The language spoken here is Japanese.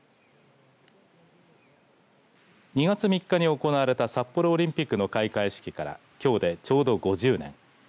２月３日に行われた札幌オリンピックの開会式からきょうでちょうど５０年。